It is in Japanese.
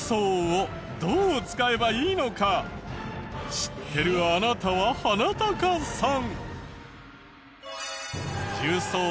知ってるあなたはハナタカさん。